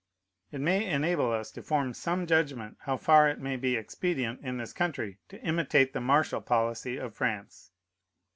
It may enable us to form some judgment how far it may be expedient in this country to imitate the martial policy of France.